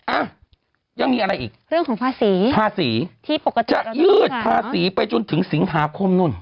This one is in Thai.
อ่ะยังมีอะไรอีกเรื่องของภาษีภาษีที่ปกติจะยืดภาษีไปจนถึงสิงหาคมนู่น